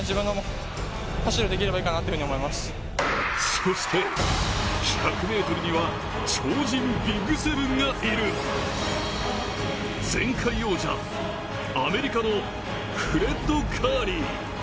そして、１００ｍには超人ＢＩＧ７がいる前回王者、アメリカのフレッド・カーリー。